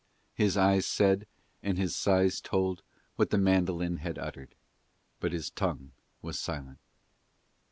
His eyes said, and his sighs told, what the mandolin had uttered; but his tongue was silent.